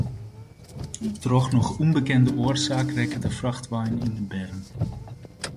Troch noch ûnbekende oarsaak rekke de frachtwein yn de berm.